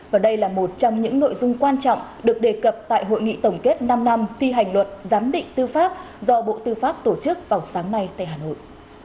và đây là một trong những nội dung quan trọng được đề cập tại hội nghị tổng kết năm năm thi hành luật giám định tư pháp do bộ tư pháp tổ chức vào sáng nay tại hà nội